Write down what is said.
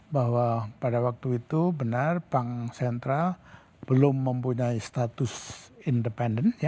bahwa pada waktu itu benar bank sentral belum mempunyai status independen